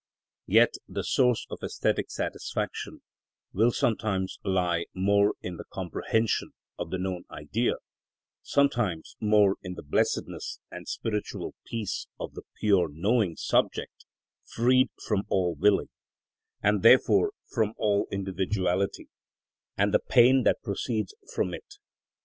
Yet the source of æsthetic satisfaction will sometimes lie more in the comprehension of the known Idea, sometimes more in the blessedness and spiritual peace of the pure knowing subject freed from all willing, and therefore from all individuality, and the pain that proceeds from it.